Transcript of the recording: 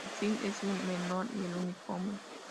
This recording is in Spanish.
Vincent es el menor y el único hombre.